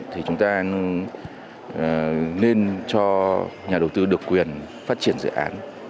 thì chúng ta nên cho nhà đầu tư được quyền phát triển dự án